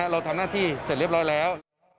เราทำหน้าที่เสร็จเรียบร้อยแล้ว